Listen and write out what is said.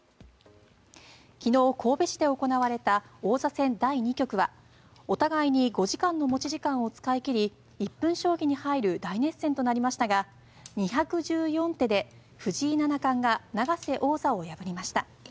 昨日、神戸市で行われた王座戦第２局はお互いに５時間の持ち時間を使い切り１分将棋に入る大熱戦となりましたが２１４手で藤井七冠が永瀬王座を破りました。